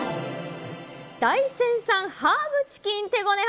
大山産ハーブチキン手ごね